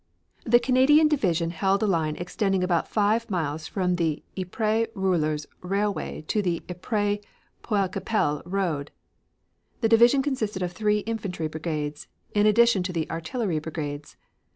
The Canadian division held a line extending about five miles from the Ypres Roulers Railway to the Ypres Poelcapelle road. The division consisted of three infantry brigades, in addition to the artillery brigades.